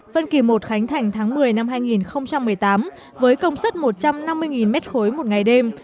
phân kỳ một khánh thành tháng một mươi năm hai nghìn một mươi tám với công suất một trăm năm mươi m ba một ngày đêm